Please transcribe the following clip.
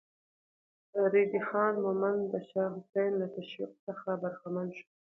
ريدی خان مومند د شاه حسين له تشويق څخه برخمن شو.